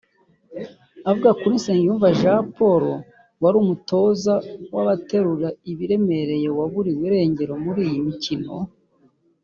Avuga kuri Nsengiyumva Jean Paul wari Umutoza w’Abaterura Ibiremereye waburiwe irengero muri iyi mikino